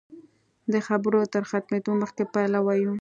د خبرو تر ختمېدو مخکې پایله وایو.